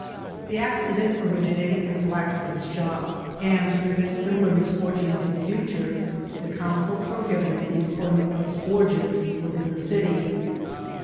The accident originated in a blacksmith's shop ; and, to prevent similar misfortunes in future, the council pro hibited the employment of forges within the city.